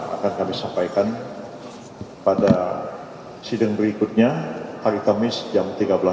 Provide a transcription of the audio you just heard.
akan kami sampaikan pada sidang berikutnya hari kamis jam tiga belas